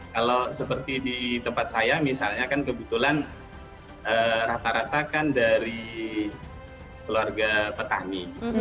kalau seperti di tempat saya misalnya kan kebetulan rata rata kan dari keluarga petani